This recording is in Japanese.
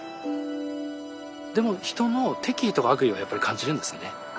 でも人の敵意とか悪意はやっぱり感じるんですよね。